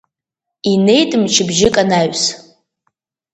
Инеит мчыбжьык анаҩс.